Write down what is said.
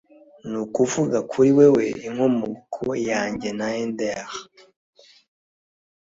Nukuvuga kuri wewe inkomoko yanjye na ender